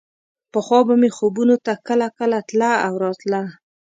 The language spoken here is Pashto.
پخوا به مې خوبونو ته کله کله تله او راتله.